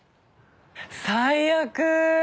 最悪。